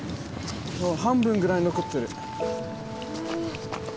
半分ぐらい残ってる。